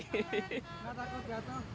nggak takut jatuh